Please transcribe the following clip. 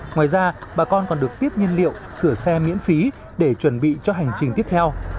ngoài ra bà con còn được tiếp nhiên liệu sửa xe miễn phí để chuẩn bị cho hành trình tiếp theo